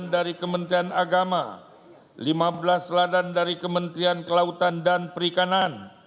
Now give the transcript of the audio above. di tiang tiang prestasi kebanggaan bangsa